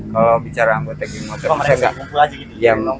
kalau bicara anggota geng motor